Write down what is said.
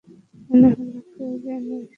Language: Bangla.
মনে হল কেউ যেন এসেছে।